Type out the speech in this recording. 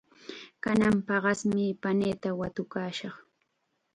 Kanan paqasmi paniita watukashaq.